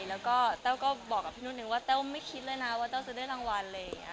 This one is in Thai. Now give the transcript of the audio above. แล้วก็เต้าก็บอกกับพี่นุ่นว่าเต้าไม่คิดเลยนะว่าเต้าจะได้รางวัล